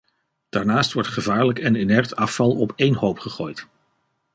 Daarnaast wordt gevaarlijk en inert afval op één hoop gegooid.